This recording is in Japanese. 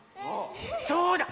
そうだ！